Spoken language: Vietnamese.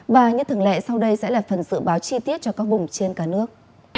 và như thường lệ sau đây sẽ là phần dự báo chi tiết cho các vùng trên cả nước